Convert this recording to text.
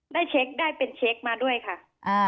ได้เป็นเช็คมาด้วยค่ะ